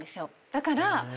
だから。